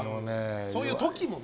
そういう時もね。